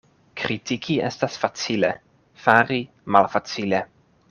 Kritiki estas facile, fari malfacile.